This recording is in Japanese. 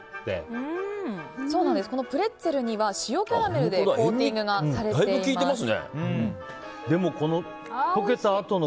このプレッツェルには塩キャラメルでコーティングがされています。